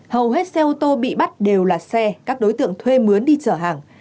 hầu hết xe ô tô bị bắt đều là xe các đối tượng thuê mướn đi chở hàng